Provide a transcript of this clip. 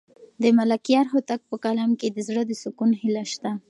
د ملکیار هوتک په کلام کې د زړه د سکون هیله شته.